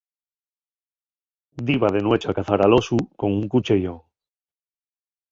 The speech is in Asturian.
Diba de nueche a cazar al osu con un cuchiellón.